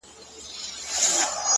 چي خپلي سپيني او رڼې اوښـكي يې ـ